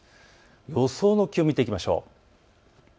予想の気温、見ていきましょう。